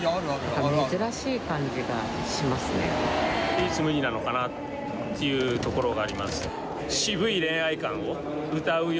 唯一無二なのかなっていうところがあります。